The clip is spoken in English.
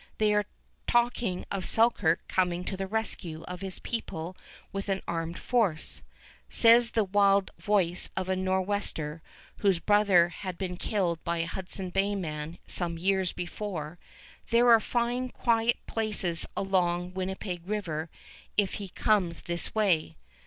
They are talking of Selkirk coming to the rescue of his people with an armed force. Says the wild voice of a Nor'wester whose brother had been killed by a Hudson's Bay man some years before, "There are fine quiet places along Winnipeg River if he comes this way."